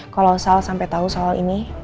kalau sampai tahu soal ini